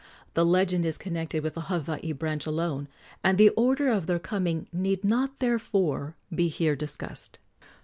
The legend is connected with the Hawaii branch alone, and the order of their coming need not, therefore, be here discussed.